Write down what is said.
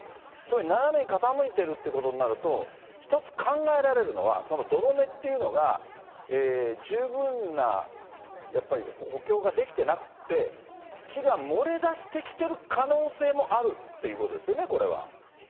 斜めに傾いてるということになると、一つ考えられるのは、土留めっていうのが、十分な補強ができてなくって、土が漏れ出してきてる可能性もあるっていうことです